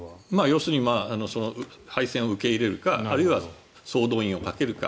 要するに敗戦を受け入れるかあるいは総動員をかけるか。